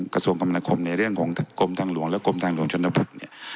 กระทรวงกรรมนาคมในเรื่องของกรมทางหลวงและกรมทางหลวงชนบทเนี่ย